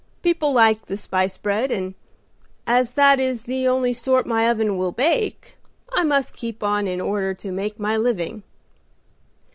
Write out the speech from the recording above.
People like the 'spice bread,' and as that is the only sort my oven will bake, I must keep on in order to make my living."